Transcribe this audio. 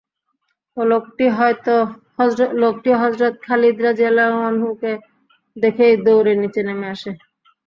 লোকটি হযরত খালিদ রাযিয়াল্লাহু আনহু-কে দেখেই দৌড়ে নিচে নেমে আসে।